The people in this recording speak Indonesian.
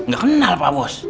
gak kenal pak bos